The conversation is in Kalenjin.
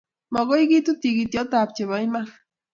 Magoi kitut tigityotap chepoiman.